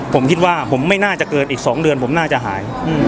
ผมคิดว่าผมไม่น่าจะเกินอีก๒เดือนผมน่าจะหาย